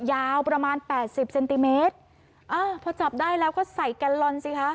ยาวประมาณแปดสิบเซนติเมตรอ่าพอจับได้แล้วก็ใส่แกนลอนสิคะ